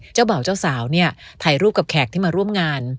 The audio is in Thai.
เจ้าบ่าวเจ้าสาวเนี่ยถ่ายรูปกับแขกที่มาร่วมงาน